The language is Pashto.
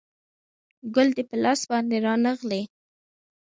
ګل دې په لاس باندې رانغلی